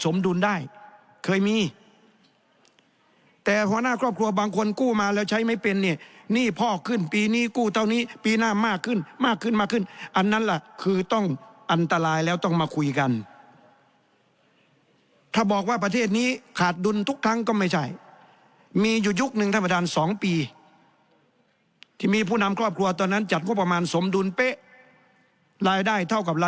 เคยมีแต่หัวหน้าครอบครัวบางคนกู้มาแล้วใช้ไม่เป็นเนี่ยหนี้พ่อขึ้นปีนี้กู้เท่านี้ปีหน้ามากขึ้นมากขึ้นมากขึ้นอันนั้นล่ะคือต้องอันตรายแล้วต้องมาคุยกันถ้าบอกว่าประเทศนี้ขาดดุลทุกครั้งก็ไม่ใช่มีอยู่ยุคนึงท่านประธาน๒ปีที่มีผู้นำครอบครัวตอนนั้นจัดงบประมาณสมดุลเป๊ะรายได้เท่ากับ